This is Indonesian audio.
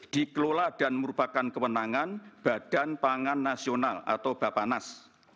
dikelola dan merupakan kewenangan badan pangan nasional atau bapanas